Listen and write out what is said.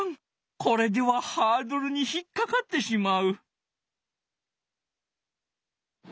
これではハードルにひっかかってしまう。